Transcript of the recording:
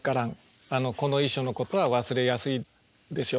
この遺書のことは忘れやすいでしょうね。